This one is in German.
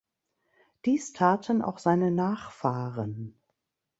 Dies taten auch seine Nachfahren.